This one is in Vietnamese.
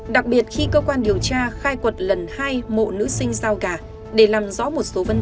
đặc biệt khi cơ quan điều tra khai quật lần hai mộ nữ sinh giao gà để làm rõ một số vấn đề